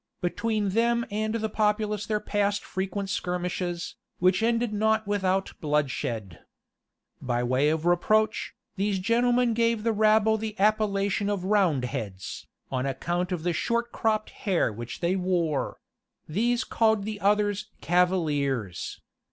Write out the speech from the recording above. Between them and the populace there passed frequent skirmishes, which ended not without bloodshed. By way of reproach, these gentlemen gave the rabble the appellation of Roundheads, on account of the short cropped hair which they wore: these called the others Cavaliers.